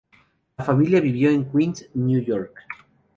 La familia vivió en Queens, Nueva York.